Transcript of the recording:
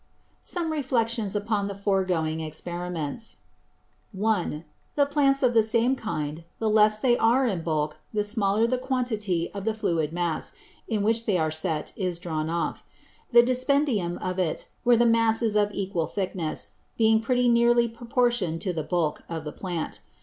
Some Reflections upon the foregoing Experiments. 1. _In Plants of the same kind, the less they are in Bulk, the smaller the Quantity of the fluid Mass, in which they are set, is drawn off; the Dispendium of it, where the Mass is of equal thickness, being pretty nearly proportion'd to the Bulk, of the Plant.